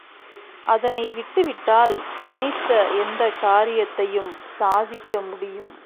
அதனை விட்டுவிட்டால் நினைத்த எந்தக் காரியத்தையும் சாதிக்க முடியும்.